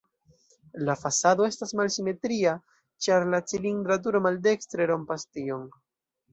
La fasado estas malsimetria, ĉar la cilindra turo maldekstre rompas tion.